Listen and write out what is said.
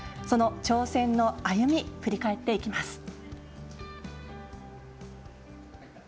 その挑戦の歩みを振り返っていきます。